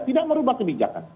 tidak merubah kebijakan